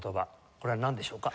これはなんでしょうか？